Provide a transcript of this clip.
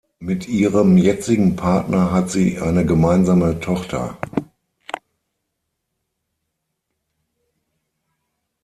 Mit ihrem jetzigen Partner hat sie eine gemeinsame Tochter.